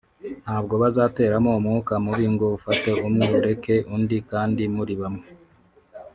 ntabwo bazateramo umwuka mubi ngo ufate umwe ureke undi kandi muri hamwe